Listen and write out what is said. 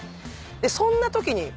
でそんなときに。